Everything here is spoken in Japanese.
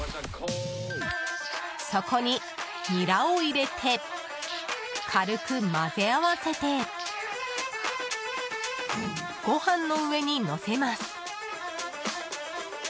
そこに、ニラを入れて軽く混ぜ合わせてご飯の上にのせます。